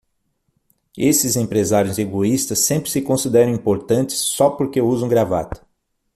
Esses empresários egoístas sempre se consideram importantes, só porque usam gravata.